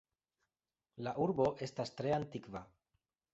La urbo estas tre antikva.